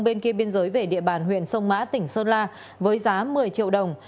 bên kia biên giới về địa bàn huyện sông mã tỉnh sơn la với giá một mươi triệu đồng